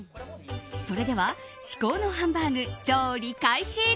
それでは至高のハンバーグ調理開始！